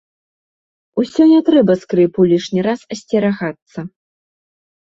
Усё не трэба скрыпу лішні раз асцерагацца.